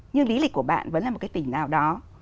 nhưng lý lịch của bạn vẫn là một cái tỉnh nào đó